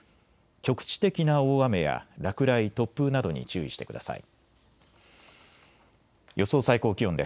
局地的な大雨や落雷、突風などに注意してください。